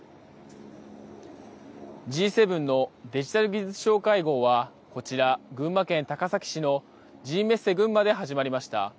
Ｇ７のデジタル・技術相会合はこちら群馬県高崎市のＧメッセ群馬で始まりました。